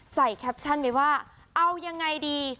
แคปชั่นไว้ว่าเอายังไงดี